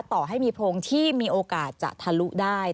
ต่อให้มีโพรงที่มีโอกาสจะทะลุได้